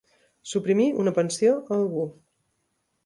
Suprimir una pensió a algú.